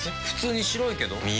普通に白いけど。